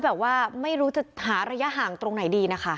แบบว่าไม่รู้จะหาระยะห่างตรงไหนดีนะคะ